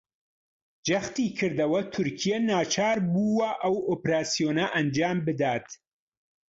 جەختیکردەوە تورکیا ناچار بووە ئەو ئۆپەراسیۆنە ئەنجامبدات